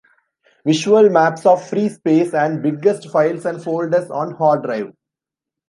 Visual maps of free space and biggest files and folders on hard drive.